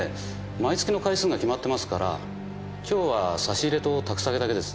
毎月の回数が決まってますから今日は差し入れと宅下げだけです。